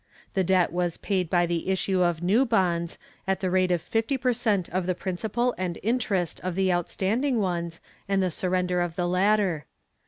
The debt was paid by the issue of new bonds, at the rate of fifty per cent of the principal and interest of the outstanding ones and the surrender of the latter.